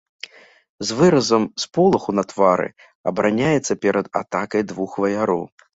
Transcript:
З выразам сполаху на твары абараняецца перад атакай двух ваяроў.